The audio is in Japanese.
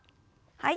はい。